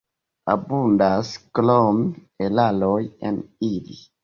Abundas krome eraroj en ili.